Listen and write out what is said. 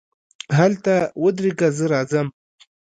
هلته ودرېږه، زه راځم.